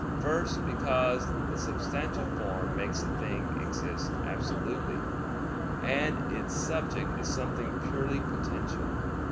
First, because the substantial form makes a thing to exist absolutely, and its subject is something purely potential.